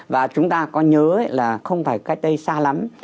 và chúng ta có nhớ là không phải cách đây xa lắm